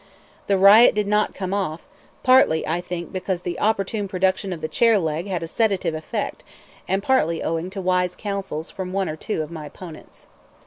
The riot did not come off; partly, I think, because the opportune production of the chair leg had a sedative effect, and partly owing to wise counsels from one or two of my opponents.